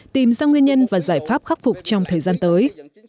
tìm ra nguyên nhân và giải pháp khắc phục trong thời gian tới